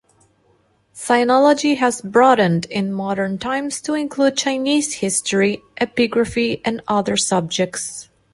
Sinology has broadened in modern times to include Chinese history, epigraphy, and other subjects.